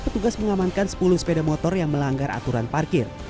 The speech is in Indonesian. petugas mengamankan sepuluh sepeda motor yang melanggar aturan parkir